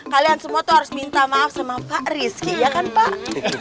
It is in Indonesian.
kalian semua tuh harus minta maaf sama pak rizky ya kan pak